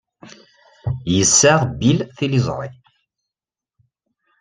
Yessaɣ Bill tiliẓri.